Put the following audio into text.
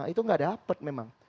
itu nggak dapat memang